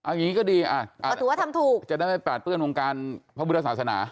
อันนี้ก็ดีอาจจะได้ไม่ปลาดเพื่อนวงการพระบุทธศาสนา